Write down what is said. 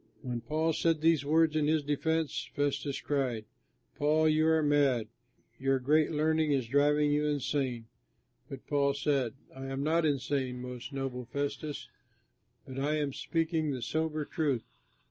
When Paul said these words in his defense, Festus cried, "Paul, you are mad! Your great learning is driving you insane!" But Paul said, "I am not insane, most noble Festus, but I am speaking the sober truth.